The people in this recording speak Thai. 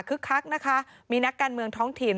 คักนะคะมีนักการเมืองท้องถิ่น